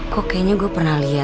kok kayaknya gue pernah lihat